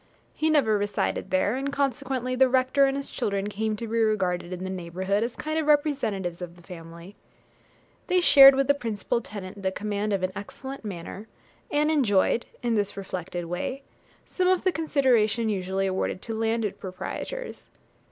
He never resided there, and consequently the rector and his children came to be regarded in the neighbourhood as a kind of representatives of the family. They shared with the principal tenant the command of an excellent manor, and enjoyed, in this reflected way, some of the consideration usually awarded to landed proprietors.